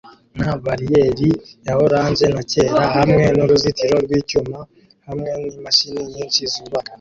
na bariyeri ya orange na cyera hamwe nuruzitiro rwicyuma hamwe nimashini nyinshi zubaka